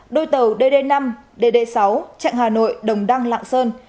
đôi tàu dd năm dd sáu chặng hà nội đồng đăng lạng sơn